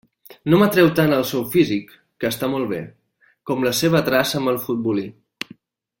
No m'atreu tant el seu físic, que està molt bé, com la seva traça amb el futbolí.